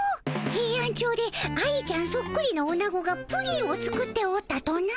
ヘイアンチョウで愛ちゃんそっくりのおなごがプリンを作っておったとな？